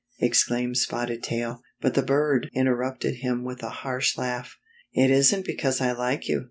exclaimed Spotted Tail; but the bird interrupted him with a harsh laugh. " It isn't because I like you.